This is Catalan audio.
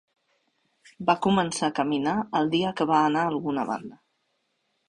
Va començar a caminar el dia que va anar a alguna banda